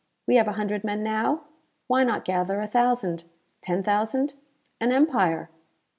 We have a hundred men now? Why not gather a thousand? Ten thousand? An empire!"